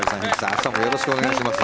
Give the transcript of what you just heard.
明日もよろしくお願いします。